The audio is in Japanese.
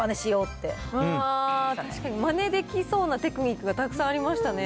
確かに、まねできそうなテクニックがたくさんありましたね。